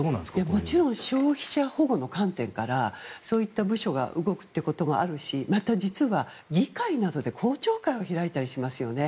もちろん消費者保護の観点からそういった部署が動くこともあるしまた、実は議会などで公聴会を開いたりしますよね。